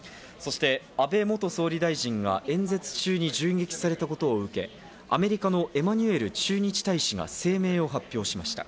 安倍元総理大臣が演説中に銃撃されたことを受け、アメリカのエマニュエル駐日大使が声明を発表しました。